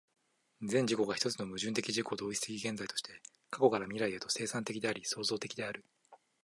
全自己が一つの矛盾的自己同一的現在として、過去から未来へと、生産的であり創造的である。